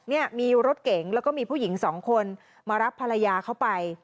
เนี่ยมีรถเก๋งแล้วก็มีผู้หญิงสองคนมารับภรรยาเข้าไป